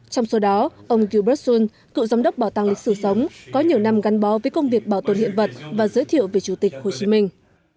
trong số đó ông gilbert sun cựu giám đốc bảo tàng lịch sử sống có nhiều năm gắn bó với công việc bảo tồn hiện vật và giới thiệu về chủ tịch hồ chí minh